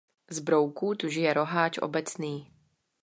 Z brouků tu žije roháč obecný.